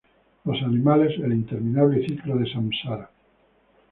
Los animales, el interminable ciclo del samsara.